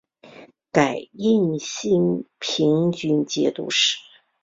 改任兴平军节度使。